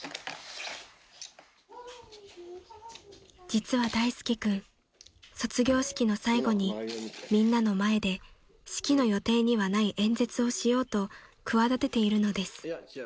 ［実は大介君卒業式の最後にみんなの前で式の予定にはない演説をしようと企てているのです］